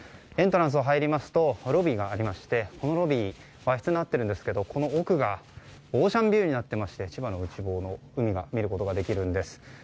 エントランスに入りますとロビーがありましてこのロビー、和室になっているんですが、奥がオーシャンビューになっていまして千葉の海を見ることができるんです。